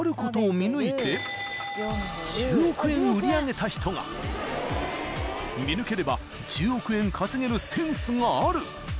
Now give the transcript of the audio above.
［見抜ければ１０億円稼げるセンスがある］